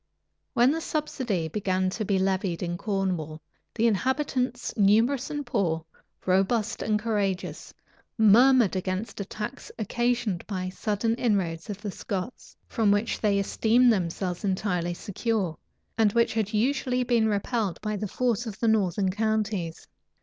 When the subsidy began to be levied in Cornwall, the inhabitants, numerous and poor, robust and courageous, murmured against a tax occasioned by a sudden inroad of the Scots, from which they esteemed themselves entirely secure, and which had usually been repelled by the force of the northern counties.